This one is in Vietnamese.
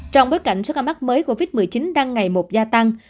trong bối cảnh sức ám ác mới covid một mươi chín đang ngày một gia tăng